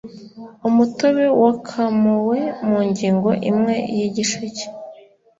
Umutobe wakamuwe mu ngingo imwe y'igisheke